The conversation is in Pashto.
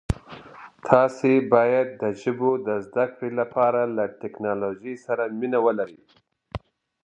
تاسي باید د ژبو د زده کړې لپاره له ټکنالوژۍ سره مینه ولرئ.